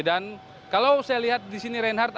dan kalau saya lihat di sini reinhardt